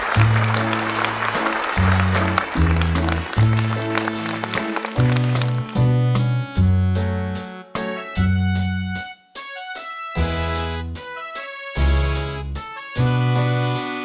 เพลือใจใครต้องจึงมองก่อนหนึ่ง